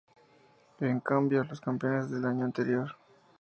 En cambio, los campeones del año anterior.